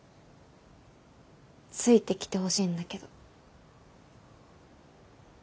ついてきてほしいんだけど。